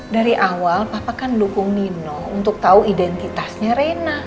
dari awal papa kan dukung nino untuk tahu identitasnya reina